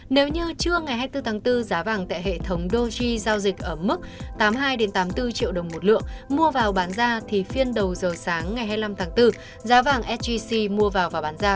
nếu như trưa ngày hai mươi bốn tháng bốn giá vàng tại hệ thống doji giao dịch ở mức tám mươi hai tám mươi bốn triệu đồng một lượng mua vào bán ra thì phiên đầu giờ sáng ngày hai mươi năm tháng bốn giá vàng sgc mua vào và bán ra